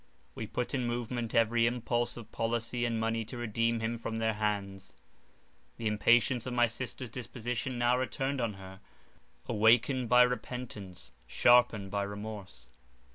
We put in movement every impulse of policy and money to redeem him from their hands. The impatience of my sister's disposition now returned on her, awakened by repentance, sharpened by remorse.